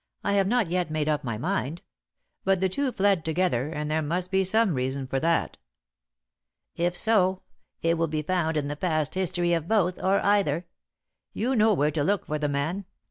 "I have not yet made up my mind. But the two fled together, and there must be some reason for that." "If so, it will be found in the past history of both, or either. You know where to look for the man.